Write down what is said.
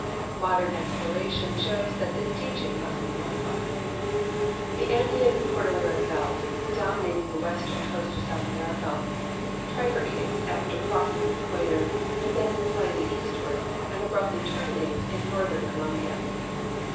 Modern exi)loration shoAVs that this teaching must be modified. The Andean cordilleran belt dominating the AA'estern coast of South America trifurcates after crossing the equator, l)euds slightly eastAvard, and abruptly terminates in northern Colom l>ia.